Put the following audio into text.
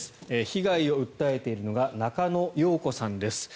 被害を訴えているのが中野容子さんです。